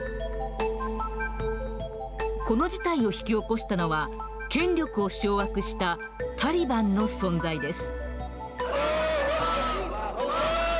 この事態を引き起こしたのは権力を掌握したタリバンの存在です。